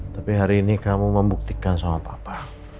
tapi hari ini kamu membuktikan sama papa